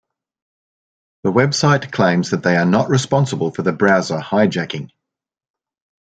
The website claims that they are not responsible for the browser hijacking.